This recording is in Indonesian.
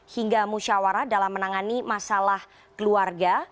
hingga musyawarah dalam menangani masalah keluarga